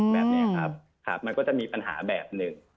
แบบนี้ครับมันก็จะมีปัญหาแบบหนึ่ง